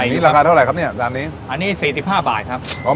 อันนี้ราคาเท่าไรครับเนี้ยอันนี้อันนี้สี่สิบห้าบาทครับ